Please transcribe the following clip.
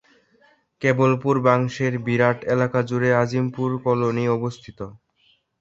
কেবল পূর্বাংশের বিরাট এলাকাজুড়ে আজিমপুর কলোনী অবস্থিত।